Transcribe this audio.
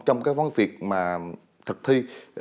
trong cái vấn việc mà thực thi